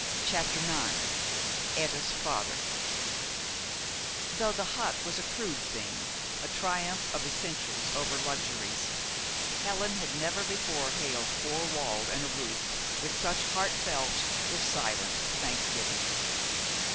CHAPTER IX "ETTA'S FATHER" Though the hut was a crude thing, a triumph of essentials over luxuries, Helen had never before hailed four walls and a roof with such heartfelt, if silent, thanksgiving.